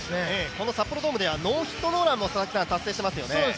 この札幌ドームではノーヒットノーランも達成していますよね。